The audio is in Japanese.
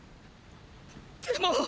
でも！！